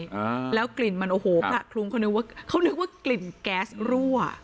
อ่าแล้วกลิ่นมันโอ้โหพระคลุ้งเขานึกว่าเขานึกว่ากลิ่นแก๊สรั่ว